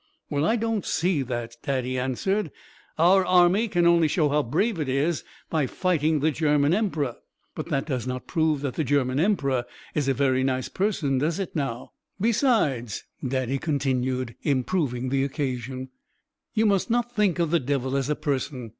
"Well, I don't see that," Daddy answered. "Our Army can only show how brave it is by fighting the German Emperor, but that does not prove that the German Emperor is a very nice person, does it now? "Besides," Daddy continued, improving the occasion, "you must not think of the Devil as a person.